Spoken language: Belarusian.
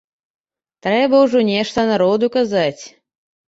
Трэба ўжо нешта народу казаць.